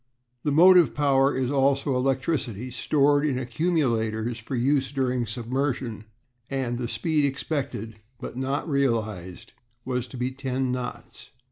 The motive power is also electricity stored in accumulators for use during submersion, and the speed expected but not realised was to be ten knots.